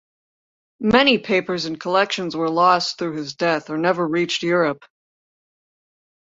Many papers and collections were lost through his death or never reached Europe.